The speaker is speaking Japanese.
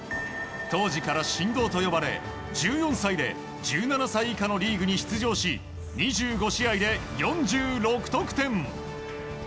当時から神童と呼ばれ、１４歳で１７歳以下のリーグに出場し２５試合で４６得点。